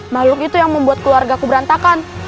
makhluk itu yang membuat keluarga ku berantakan